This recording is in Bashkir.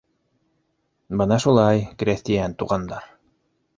—...Бына шулай, крәҫтиән туғандар.